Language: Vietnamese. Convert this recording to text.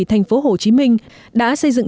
tp hcm đã xây dựng